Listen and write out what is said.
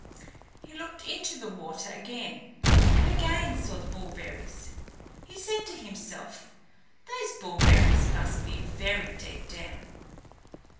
He looked into the water again, and again saw the bullberries. He said to himself, "Those bullberries must be very deep down."